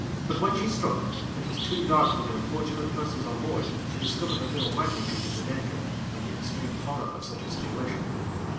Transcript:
But when she struck, it was too dark for the unfortunate persons on board to discover the real magnitude of the danger, and the extreme horror of such a situation.